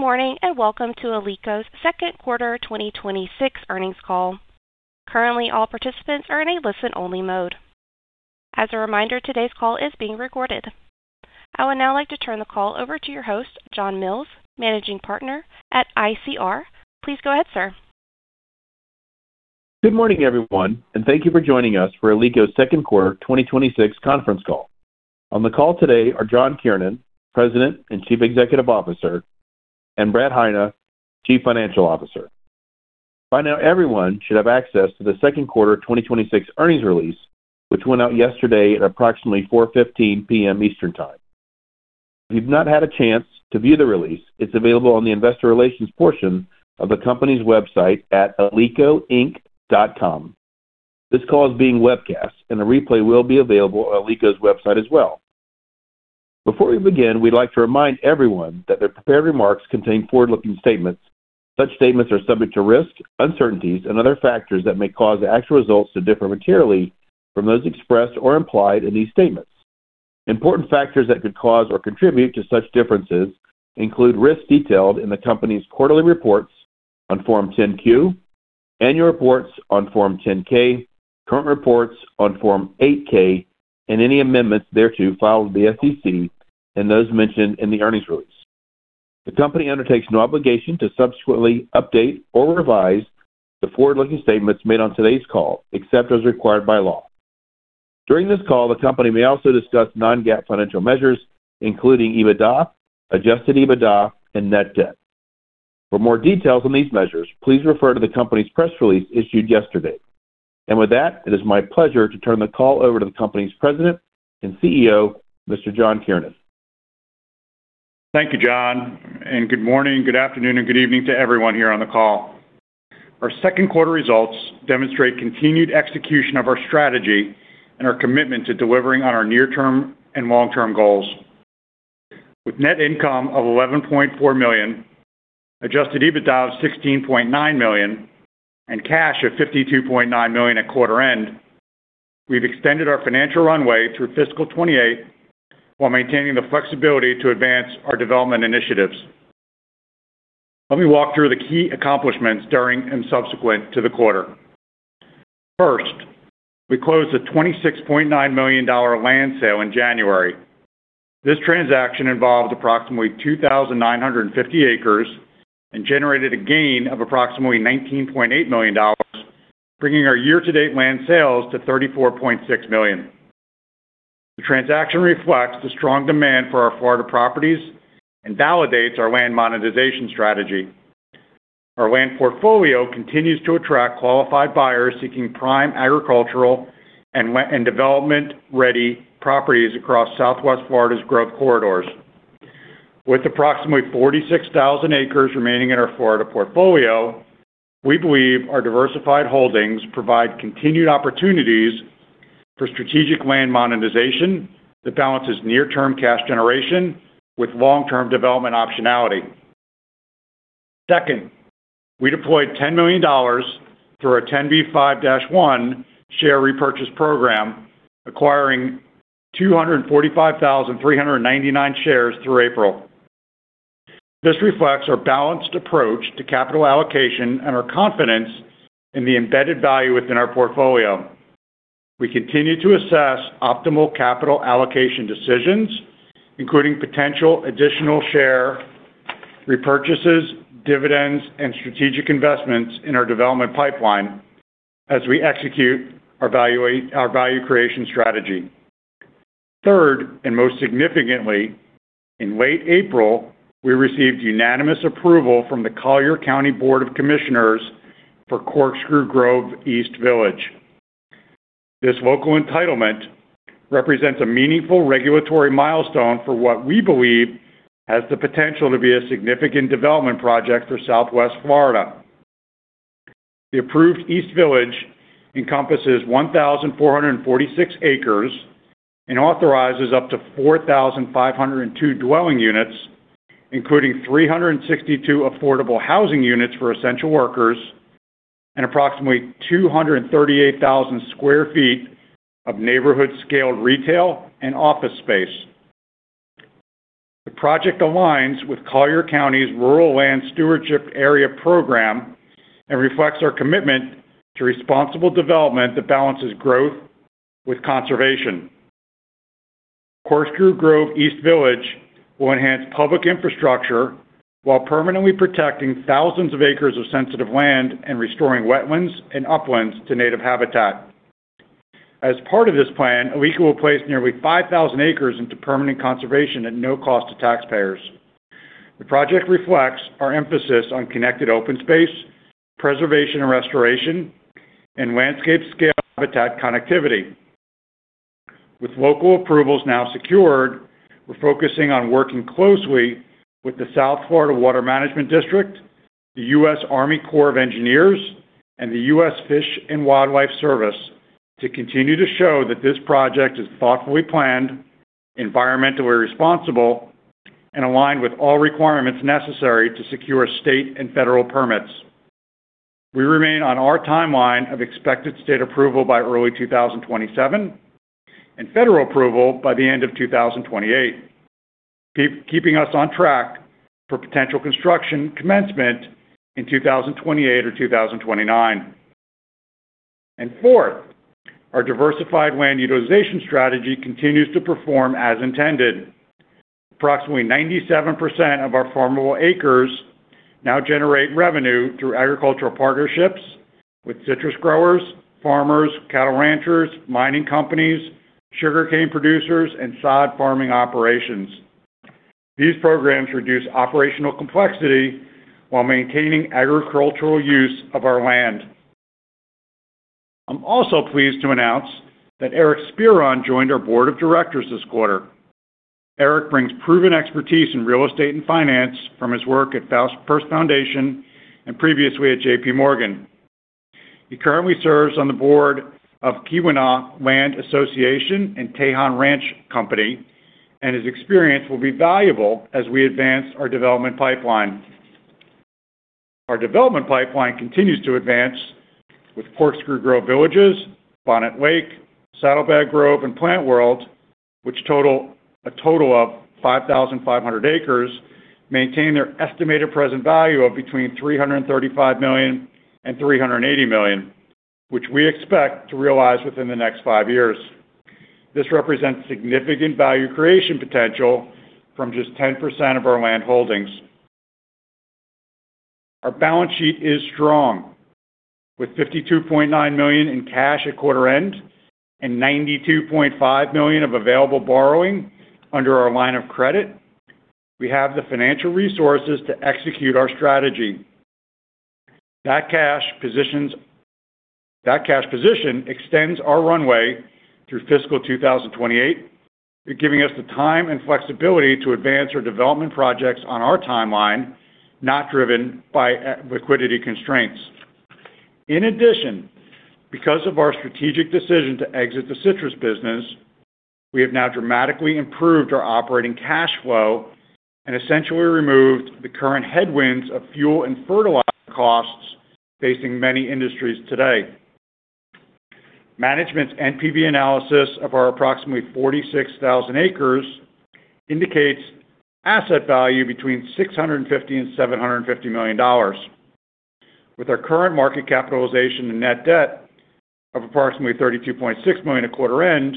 Good morning, welcome to Alico's second quarter 2026 earnings call. Currently, all participants are in a listen-only mode. As a reminder, today's call is being recorded. I would now like to turn the call over to your host, John Mills, Managing Partner at ICR. Please go ahead, sir. Good morning, everyone, and thank you for joining us for Alico's second-quarter 2026 conference call. On the call today are John Kiernan, President and Chief Executive Officer, and Brad Heine, Chief Financial Officer. By now, everyone should have access to the second-quarter 2026 earnings release, which went out yesterday at approximately 4:15 P.M. Eastern Time. If you've not had a chance to view the release, it's available on the investor relations portion of the company's website at alicoinc.com. This call is being webcast, and a replay will be available on Alico's website as well. Before we begin, we'd like to remind everyone that the prepared remarks contain forward-looking statements. Such statements are subject to risks, uncertainties and other factors that may cause actual results to differ materially from those expressed or implied in these statements. Important factors that could cause or contribute to such differences include risks detailed in the company's quarterly reports on Form 10-Q, annual reports on Form 10-K, current reports on Form 8-K and any amendments thereto filed with the SEC and those mentioned in the earnings release. The company undertakes no obligation to subsequently update or revise the forward-looking statements made on today's call, except as required by law. During this call, the company may also discuss non-GAAP financial measures, including EBITDA, adjusted EBITDA, and net debt. For more details on these measures, please refer to the company's press release issued yesterday. With that, it is my pleasure to turn the call over to the company's President and CEO, Mr. John Kiernan. Thank you, John, and good morning, good afternoon, and good evening to everyone here on the call. Our second quarter results demonstrate continued execution of our strategy and our commitment to delivering on our near-term and long-term goals. With net income of $11.4 million, adjusted EBITDA of $16.9 million, and cash of $52.9 million at quarter end, we've extended our financial runway through fiscal 2028 while maintaining the flexibility to advance our development initiatives. Let me walk through the key accomplishments during and subsequent to the quarter. First, we closed at $26.9 million land sale in January. This transaction involved approximately 2,950 acres and generated a gain of approximately $19.8 million, bringing our year-to-date land sales to $34.6 million. The transaction reflects the strong demand for our Florida properties and validates our land monetization strategy. Our land portfolio continues to attract qualified buyers seeking prime agricultural and development-ready properties across Southwest Florida's growth corridors. With approximately 46,000 acres remaining in our Florida portfolio, we believe our diversified holdings provide continued opportunities for strategic land monetization that balances near-term cash generation with long-term development optionality. Second, we deployed $10 million through our 10b5-1 share repurchase program, acquiring 245,399 shares through April. This reflects our balanced approach to capital allocation and our confidence in the embedded value within our portfolio. We continue to assess optimal capital allocation decisions, including potential additional share repurchases, dividends, and strategic investments in our development pipeline as we execute our value creation strategy. Third, and most significantly, in late April, we received unanimous approval from the Collier County Board of County Commissioners for Corkscrew Grove East Village. This local entitlement represents a meaningful regulatory milestone for what we believe has the potential to be a significant development project for Southwest Florida. The approved East Village encompasses 1,446 acres and authorizes up to 4,502 dwelling units, including 362 affordable housing units for essential workers and approximately 238,000 sq ft of neighborhood-scaled retail and office space. The project aligns with Collier County's Rural Land Stewardship Area program and reflects our commitment to responsible development that balances growth with conservation. Corkscrew Grove East Village will enhance public infrastructure while permanently protecting thousands of acres of sensitive land and restoring wetlands and uplands to native habitat. As part of this plan, Alico will place nearly 5,000 acres into permanent conservation at no cost to taxpayers. The project reflects our emphasis on connected open space, preservation and restoration, and landscape-scale habitat connectivity. With local approvals now secured, we're focusing on working closely with the South Florida Water Management District, the U.S. Army Corps of Engineers, and the U.S. Fish and Wildlife Service to continue to show that this project is thoughtfully planned, environmentally responsible, and aligned with all requirements necessary to secure state and federal permits. We remain on our timeline of expected state approval by early 2027 and federal approval by the end of 2028. Keeping us on track for potential construction commencement in 2028 or 2029. Fourth, our diversified land utilization strategy continues to perform as intended. Approximately 97% of our farmable acres now generate revenue through agricultural partnerships with citrus growers, farmers, cattle ranchers, mining companies, sugarcane producers, and sod farming operations. These programs reduce operational complexity while maintaining agricultural use of our land. I'm also pleased to announce that Eric H. Speron joined our board of directors this quarter. Eric brings proven expertise in real estate and finance from his work at First Foundation and previously at J.P. Morgan. He currently serves on the board of Keweenaw Land Association, Limited and Tejon Ranch Company, and his experience will be valuable as we advance our development pipeline. Our development pipeline continues to advance with Corkscrew Grove Villages, Bonnet Lake, Saddlebag Grove, and Plant World, which total a total of 5,500 acres, maintain their estimated present value of between $335 million and $380 million, which we expect to realize within the next 5 years. This represents significant value creation potential from just 10% of our land holdings. Our balance sheet is strong. With $52.9 million in cash at quarter end and $92.5 million of available borrowing under our line of credit, we have the financial resources to execute our strategy. That cash position extends our runway through fiscal 2028, giving us the time and flexibility to advance our development projects on our timeline, not driven by liquidity constraints. In addition, because of our strategic decision to exit the citrus business, we have now dramatically improved our operating cash flow and essentially removed the current headwinds of fuel and fertilizer costs facing many industries today. Management's NPV analysis of our approximately 46,000 acres indicates asset value between $650 million and $750 million. With our current market capitalization and net debt of approximately $32.6 million at quarter end,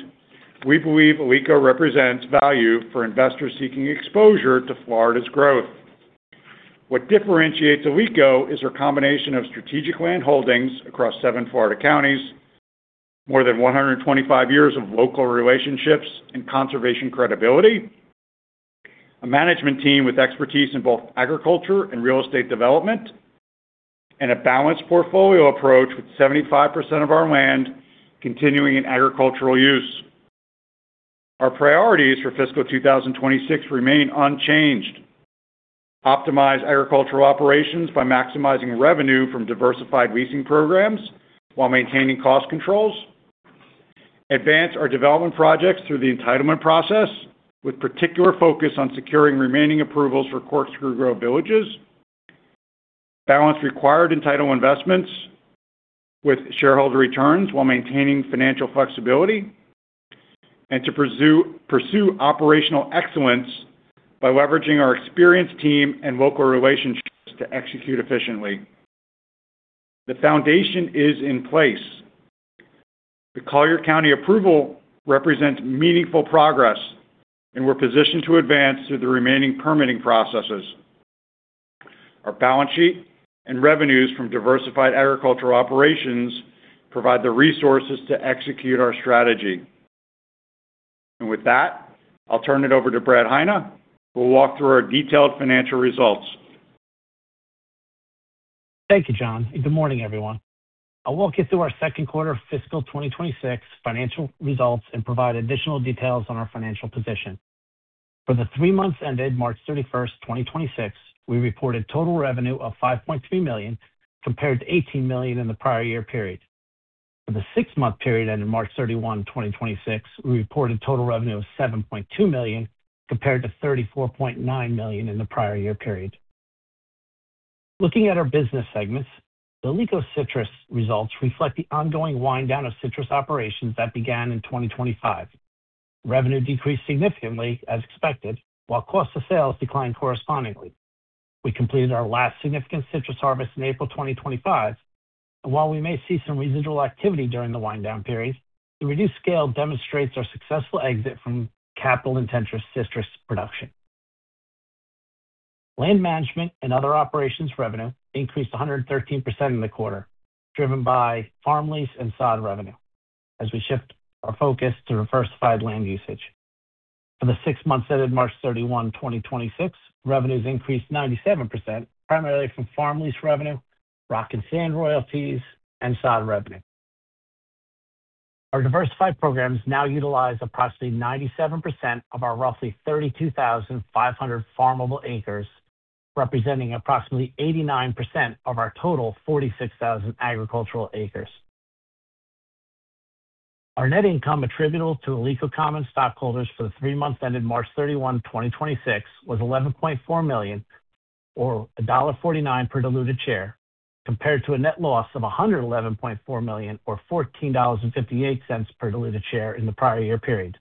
we believe Alico represents value for investors seeking exposure to Florida's growth. What differentiates Alico is our combination of strategic land holdings across seven Florida counties, more than 125 years of local relationships and conservation credibility, a management team with expertise in both agriculture and real estate development, and a balanced portfolio approach with 75% of our land continuing in agricultural use. Our priorities for fiscal 2026 remain unchanged. Optimize agricultural operations by maximizing revenue from diversified leasing programs while maintaining cost controls. Advance our development projects through the entitlement process, with particular focus on securing remaining approvals for Corkscrew Grove Villages. Balance required entitle investments with shareholder returns while maintaining financial flexibility. To pursue operational excellence by leveraging our experienced team and local relationships to execute efficiently. The foundation is in place. The Collier County approval represents meaningful progress. We're positioned to advance through the remaining permitting processes. Our balance sheet and revenues from diversified agricultural operations provide the resources to execute our strategy. With that, I'll turn it over to Brad Heine, who will walk through our detailed financial results. Thank you, John, and good morning, everyone. I'll walk you through our second quarter fiscal 2026 financial results and provide additional details on our financial position. For the three months ended March 31st, 2026, we reported total revenue of $5.2 million compared to $18 million in the prior year period. For the six-month period ended March 31, 2026, we reported total revenue of $7.2 million compared to $34.9 million in the prior year period. Looking at our business segments, Alico Citrus results reflect the ongoing wind down of citrus operations that began in 2025. Revenue decreased significantly as expected, while cost of sales declined correspondingly. We completed our last significant citrus harvest in April 2025, and while we may see some residual activity during the wind down period, the reduced scale demonstrates our successful exit from capital-intensive citrus production. Land management and other operations revenue increased 113% in the quarter, driven by farm lease and sod revenue as we shift our focus to diversified land usage. For the 6 months ended March 31, 2026, revenues increased 97%, primarily from farm lease revenue, rock and sand royalties, and sod revenue. Our diversified programs now utilize approximately 97% of our roughly 32,500 farmable acres, representing approximately 89% of our total 46,000 agricultural acres. Our net income attributable to the Alico common stockholders for the 3 months ended March 31, 2026 was $11.4 million, or $1.49 per diluted share, compared to a net loss of $111.4 million or $14.58 per diluted share in the prior year period.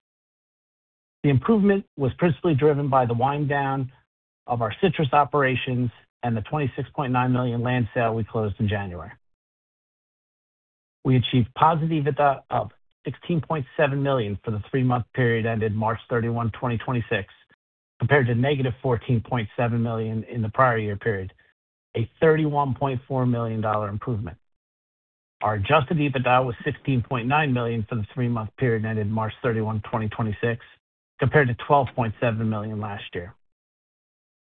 The improvement was principally driven by the wind down of our citrus operations and the $26.9 million land sale we closed in January. We achieved positive EBITDA of $16.7 million for the three-month period ended March 31, 2026, compared to negative $14.7 million in the prior year period, a $31.4 million improvement. Our adjusted EBITDA was $16.9 million for the three-month period ended March 31, 2026, compared to $12.7 million last year.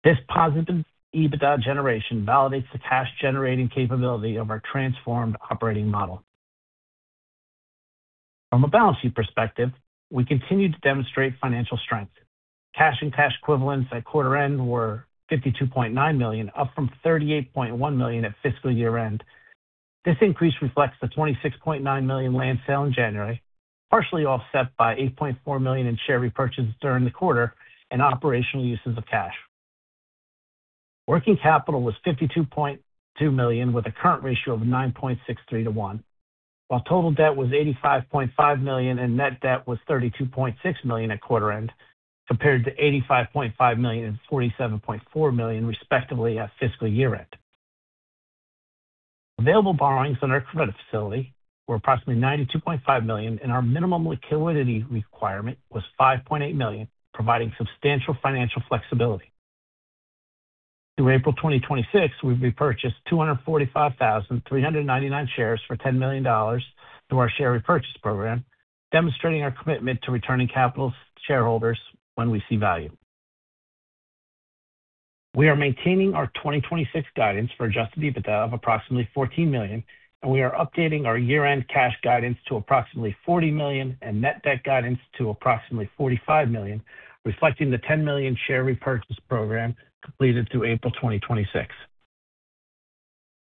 This positive EBITDA generation validates the cash generating capability of our transformed operating model. From a balance sheet perspective, we continue to demonstrate financial strength. Cash and cash equivalents at quarter end were $52.9 million, up from $38.1 million at fiscal year-end. This increase reflects the $26.9 million land sale in January, partially offset by $8.4 million in share repurchases during the quarter and operational uses of cash. Working capital was $52.2 million, with a current ratio of 9.63 to 1, while total debt was $85.5 million and net debt was $32.6 million at quarter end, compared to $85.5 million and $47.4 million respectively at fiscal year-end. Available borrowings on our credit facility were approximately $92.5 million, and our minimum liquidity requirement was $5.8 million, providing substantial financial flexibility. Through April 2026, we've repurchased 245,399 shares for $10 million through our share repurchase program, demonstrating our commitment to returning capital to shareholders when we see value. We are maintaining our 2026 guidance for adjusted EBITDA of approximately $14 million, and we are updating our year-end cash guidance to approximately $40 million and net debt guidance to approximately $45 million, reflecting the $10 million share repurchase program completed through April 2026.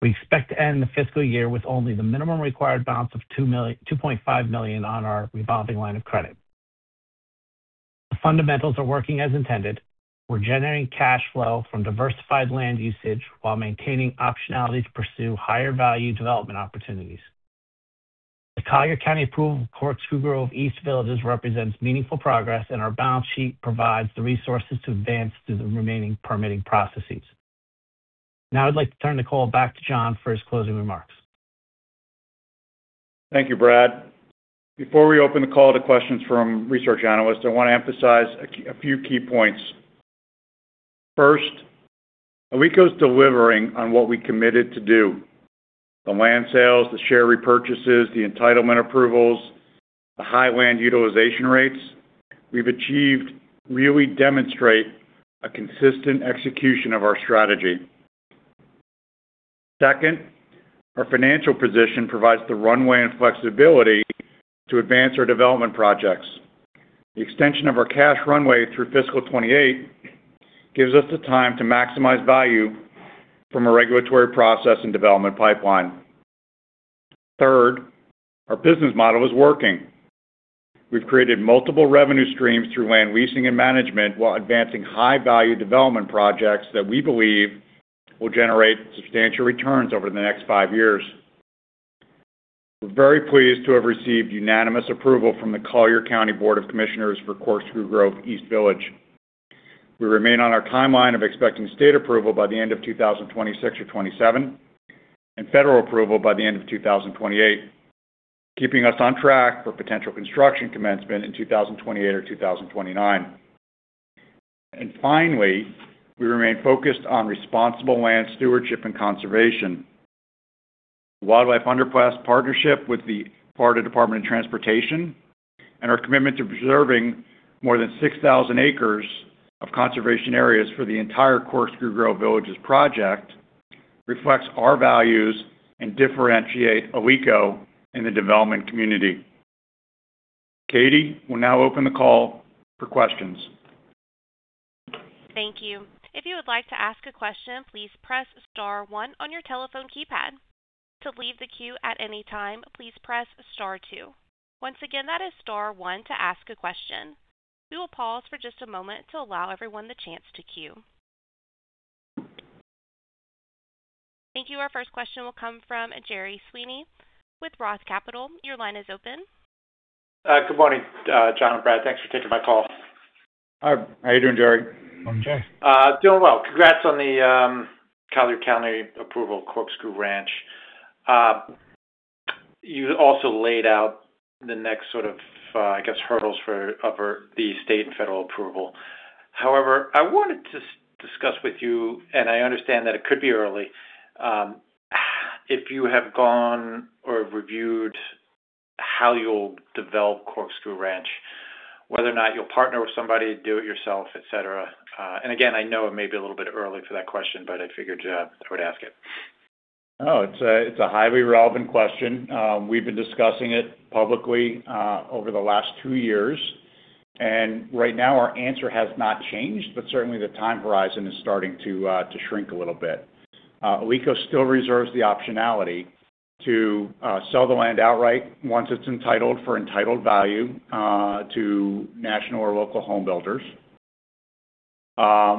We expect to end the fiscal year with only the minimum required balance of $2.5 million on our revolving line of credit. The fundamentals are working as intended. We're generating cash flow from diversified land usage while maintaining optionality to pursue higher value development opportunities. The Collier County approval of Corkscrew Grove East Villages represents meaningful progress, and our balance sheet provides the resources to advance through the remaining permitting processes. Now I'd like to turn the call back to John for his closing remarks. Thank you, Brad. Before we open the call to questions from research analysts, I want to emphasize a few key points. First, Alico's delivering on what we committed to do. The land sales, the share repurchases, the entitlement approvals, the high land utilization rates we've achieved really demonstrate a consistent execution of our strategy. Second, our financial position provides the runway and flexibility to advance our development projects. The extension of our cash runway through fiscal 2028 gives us the time to maximize value from a regulatory process and development pipeline. Third, our business model is working. We've created multiple revenue streams through land leasing and management while advancing high-value development projects that we believe will generate substantial returns over the next 5 years. We're very pleased to have received unanimous approval from the Collier County Board of Commissioners for Corkscrew Grove East Village. We remain on our timeline of expecting state approval by the end of 2026 or 27, and federal approval by the end of 2028, keeping us on track for potential construction commencement in 2028 or 2029. Finally, we remain focused on responsible land stewardship and conservation. Wildlife underpass partnership with the Florida Department of Transportation and our commitment to preserving more than 6,000 acres of conservation areas for the entire Corkscrew Grove Villages project reflects our values and differentiate Alico in the development community. Katie will now open the call for questions. Thank you. If you would like to ask a question, please press star one on your telephone keypad. To leave the queue at any time, please press star two. Once again, that is star one to ask a question. We will pause for just a moment to allow everyone the chance to queue. Thank you. Our first question will come from Gerard Sweeney with ROTH Capital. Your line is open. Good morning, John and Brad. Thanks for taking my call. Hi. How are you doing, Gerard? Morning, Gerard. Doing well. Congrats on the Collier County approval, Corkscrew Grove. You also laid out the next sort of, I guess, hurdles for the state and federal approval. However, I wanted to discuss with you, and I understand that it could be early, if you have gone or reviewed how you'll develop Corkscrew Grove, whether or not you'll partner with somebody, do it yourself, et cetera. Again, I know it may be a little bit early for that question, but I figured I would ask it. No, it's a highly relevant question. We've been discussing it publicly over the last two years. Right now, our answer has not changed, but certainly the time horizon is starting to shrink a little bit. Alico still reserves the optionality to sell the land outright once it's entitled for entitled value to national or local home builders.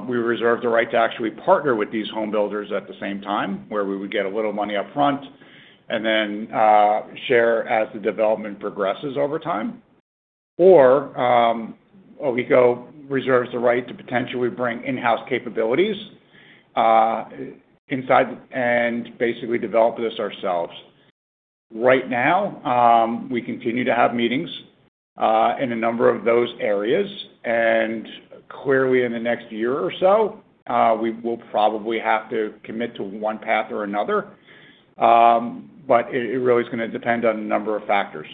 We reserve the right to actually partner with these home builders at the same time, where we would get a little money up front and then share as the development progresses over time. Alico reserves the right to potentially bring in-house capabilities inside and basically develop this ourselves. Right now, we continue to have meetings in a number of those areas. Clearly in the next year or so, we will probably have to commit to one path or another. It really is gonna depend on a number of factors.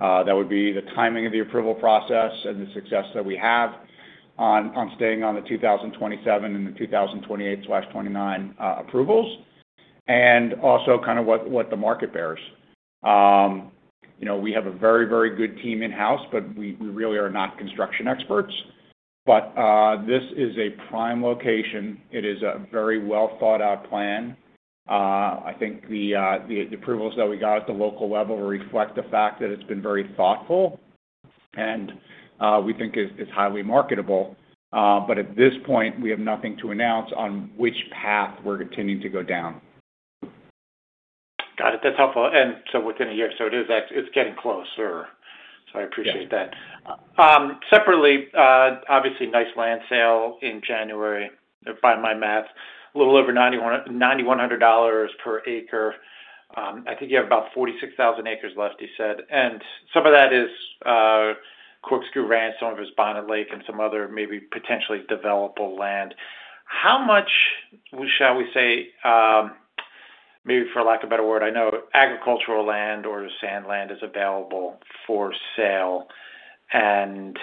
That would be the timing of the approval process and the success that we have on staying on the 2027 and the 2028/2029 approvals, and also kind of what the market bears. You know, we have a very good team in-house, but we really are not construction experts. This is a prime location. It is a very well-thought-out plan. I think the approvals that we got at the local level reflect the fact that it's been very thoughtful and we think is highly marketable. At this point, we have nothing to announce on which path we're continuing to go down. Got it. That's helpful. Within a year, It's getting closer. I appreciate that. Yes. Separately, obviously nice land sale in January. By my math, a little over $9,100 per acre. I think you have about 46,000 acres left, you said. Some of that is Corkscrew Grove, some of it's Bonnet Lake, and some other maybe potentially developable land. How much, shall we say, maybe for lack of a better word, I know agricultural land or sand land is available for sale and,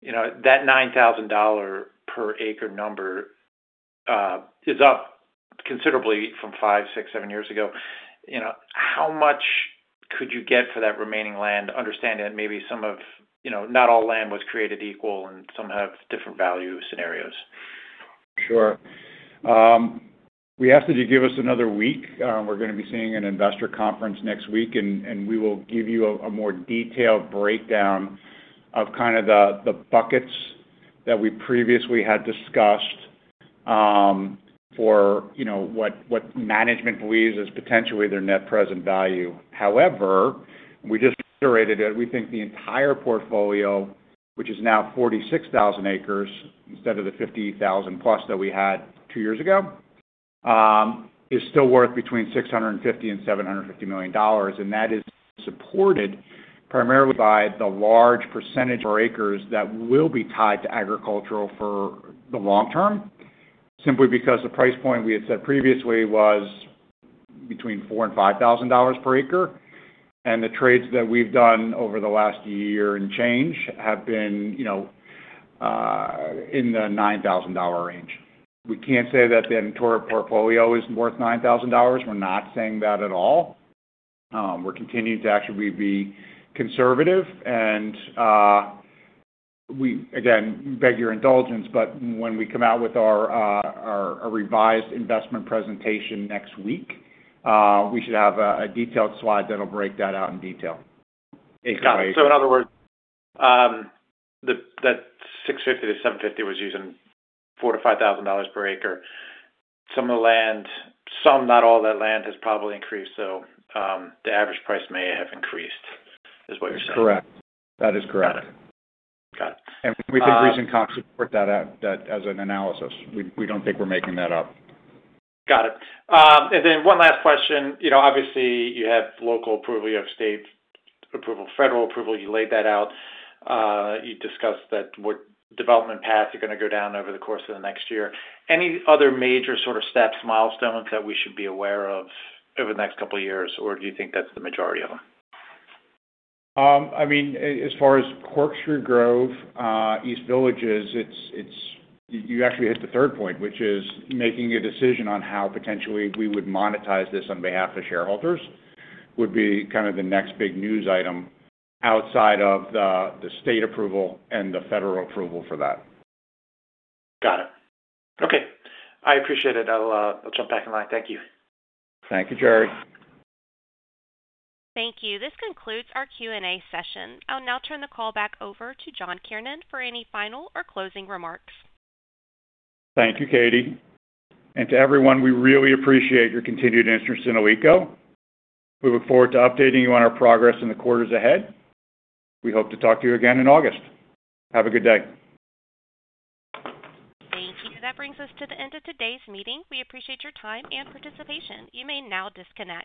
you know, that $9,000 per acre number is up considerably from five, six, seven years ago. You know, how much could you get for that remaining land? Understanding that maybe some of, you know, not all land was created equal and some have different value scenarios. Sure. We ask that you give us another week. We're gonna be seeing an investor conference next week, and we will give you a more detailed breakdown of kind of the buckets that we previously had discussed for what management believes is potentially their net present value. We just reiterated it. We think the entire portfolio, which is now 46,000 acres instead of the 50,000+ that we had two years ago, is still worth between $650 million and $750 million, and that is supported primarily by the large percentage of our acres that will be tied to agricultural for the long term, simply because the price point we had said previously was between $4,000 and $5,000 per acre. The trades that we've done over the last year and change have been, you know, in the $9,000 range. We can't say that the inventory portfolio is worth $9,000. We're not saying that at all. We're continuing to actually be conservative and we again beg your indulgence, but when we come out with our revised investment presentation next week, we should have a detailed slide that'll break that out in detail. Got it. In other words, that 650 to 750 was using $4,000 to $5,000 per acre. Some of the land, some, not all that land has probably increased, so, the average price may have increased, is what you're saying? Correct. That is correct. Got it. We think reason comps support that as an analysis. We don't think we're making that up. Got it. One last question. You know, obviously you have local approval, you have state approval, federal approval. You laid that out. You discussed that what development path you're gonna go down over the course of the next year. Any other major sort of steps, milestones that we should be aware of over the next 2 years, or do you think that's the majority of them? I mean, as far as Corkscrew Grove East Village is. You actually hit the third point, which is making a decision on how potentially we would monetize this on behalf of shareholders would be kind of the next big news item outside of the state approval and the federal approval for that. Got it. Okay. I appreciate it. I'll jump back in line. Thank you. Thank you, Jerry. Thank you. This concludes our Q&A session. I'll now turn the call back over to John Kiernan for any final or closing remarks. Thank you, Katie. To everyone, we really appreciate your continued interest in Alico. We look forward to updating you on our progress in the quarters ahead. We hope to talk to you again in August. Have a good day. Thank you. That brings us to the end of today's meeting. We appreciate your time and participation. You may now disconnect.